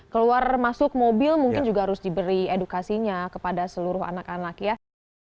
keluar masuk mobil mungkin juga harus diberi edukasinya kepada seluruh anak anak ya